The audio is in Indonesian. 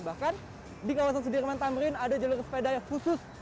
bahkan di kawasan sudirman tamrin ada jalur sepeda yang khusus